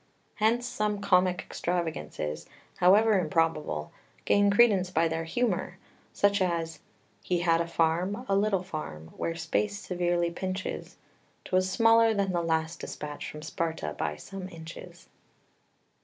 Hence some comic extravagances, however improbable, gain credence by their humour, such as "He had a farm, a little farm, where space severely pinches; 'Twas smaller than the last despatch from Sparta by some inches."